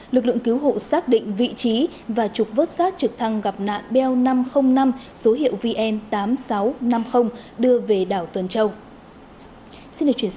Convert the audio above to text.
lực lượng cứu hộ xác định vị trí và trục vớt sát trực thăng gặp nạn bel năm trăm linh năm số hiệu vn tám nghìn sáu trăm năm mươi đưa về đảo tuần châu